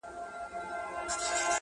o هرکلي ته مې جانان خندان را ووت ,